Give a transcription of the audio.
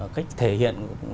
cách thể hiện